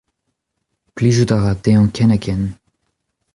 Plijout a ra dezhañ ken-ha-ken.